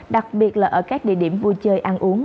đặc biệt là ở các địa điểm vui chơi ăn uống